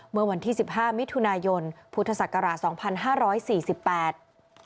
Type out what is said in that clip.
เมื่อวันที่๑๕มิถุนายนพุทธศักราช๒๕๔๘